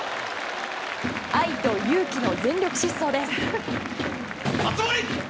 愛と勇気の全力疾走です。